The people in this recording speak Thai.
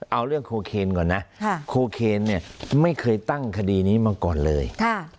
เอาเรื่องโคเคนก่อนนะโคเคนเนี่ยไม่เคยตั้งคดีนี้มาก่อนเลย